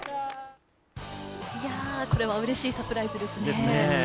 これはうれしいサプライズですね。